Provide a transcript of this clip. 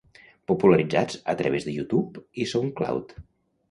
Popularitzats a través de YouTube i SoundCloud.